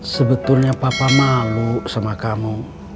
sebetulnya papa malu sama kamu